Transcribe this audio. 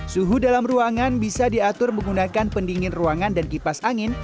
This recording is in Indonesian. suhu dalam ruangan bisa diatur menggunakan pendingin ruangan dan kipas angin